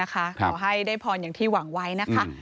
ขอให้ได้พรอย่างที่หวังไว้นะคะ